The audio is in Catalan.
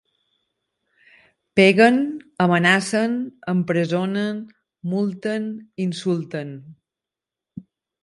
Peguen, amenacen, empresonen, multen, insulten.